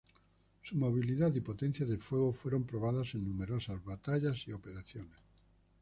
Su movilidad y potencia de fuego fueron probadas en numerosas batallas y operaciones.